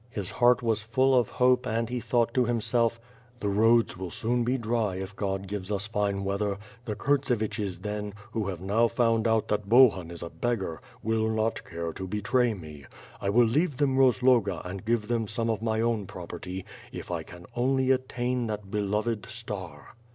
His heart was full of hope and he thought to himself: 'The roads /ill soon be dry if God gives us fine weather. The Kurtseviches then, who have now found out that Bohun is a beggar, will not care to betray me. I will leave them Rozloga and give them some of my own property, if I can only attain that beloved star.